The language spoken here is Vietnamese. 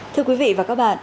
thưa quý vị và các bạn